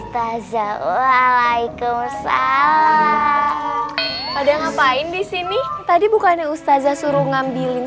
taza waalaikumsalam udah ngapain di sini tadi bukannya ustazah suruh ngambilin